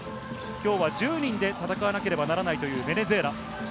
きょうは１０人で戦わなければならないというベネズエラ。